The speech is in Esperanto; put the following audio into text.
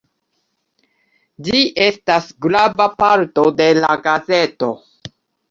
Ĝi estas grava parto de la gazeto.